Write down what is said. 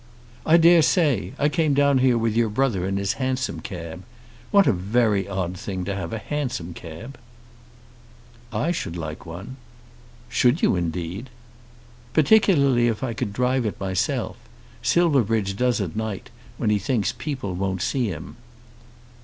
"I dare say. I came down here with your brother in his hansom cab. What a very odd thing to have a hansom cab!" "I should like one." "Should you indeed?" "Particularly if I could drive it myself. Silverbridge does, at night, when he thinks people won't see him."